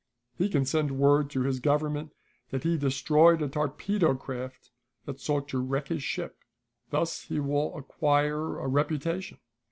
He can send word to his government that he destroyed a torpedo craft that sought to wreck his ship. Thus he will acquire a reputation."